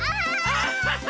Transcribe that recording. アッハハ！